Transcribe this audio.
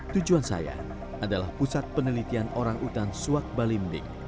tujuan saya adalah pusat penelitian orang hutan suak balimdik